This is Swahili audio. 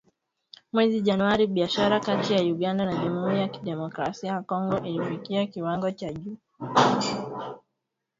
mwezi Januari, biashara kati ya Uganda na Jamhuri ya Kidemokrasia ya Kongo ilifikia kiwango cha juu.